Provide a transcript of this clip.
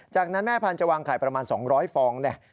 จากนั้นแม่พันธุ์จะวางข่ายประมาณ๒๐๐ฟอง